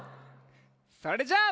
それじゃあ。